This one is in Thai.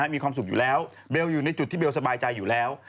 มีความสุขอยู่แล้วเบลอยู่ในจุดที่เบลสบายใจอยู่แล้ว